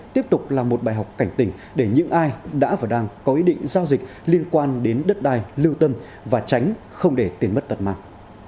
tiếp tục là một bài học cảnh tỉnh để những ai đã và đang có ý định giao dịch liên quan đến đất đai lưu tâm và tránh không để tiền mất tật mạng